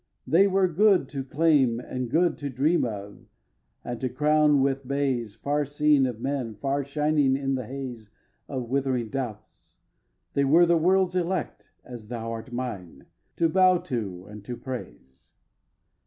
They were good to claim, And good to dream of, and to crown with bays, Far seen of men, far shining in the haze Of withering doubts. They were the world's elect, As thou art mine, to bow to and to praise.